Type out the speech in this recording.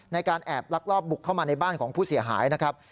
ในการแอบลักลอบบุกเข้ามาในบ้านของผู้เสียหายนะครับ